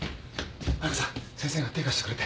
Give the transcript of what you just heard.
彩佳さん先生が手貸してくれって。